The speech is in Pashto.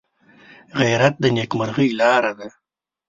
غیرت د نیکمرغۍ لاره ده